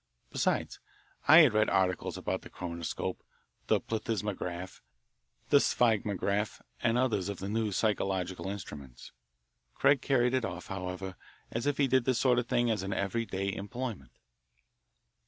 Besides, I had read articles about the chronoscope, the plethysmograph, the sphygmograph, and others of the new psychological instruments. Craig carried it off, however, as if he did that sort of thing as an every day employment.